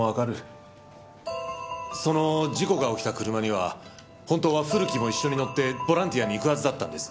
その事故が起きた車には本当は古木も一緒に乗ってボランティアに行くはずだったんです。